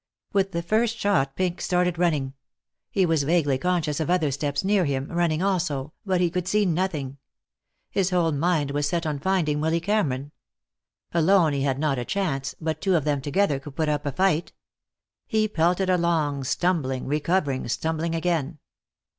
With the first shot Pink started running. He was vaguely conscious of other steps near him, running also, but he could see nothing. His whole mind was set on finding Willy Cameron. Alone he had not a chance, but two of them together could put up a fight. He pelted along, stumbling, recovering, stumbling again.